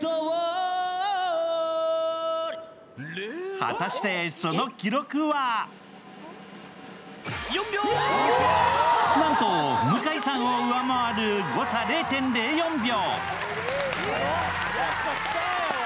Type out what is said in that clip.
果たして、その記録はなんと向井さんを上回る誤差０．０４秒。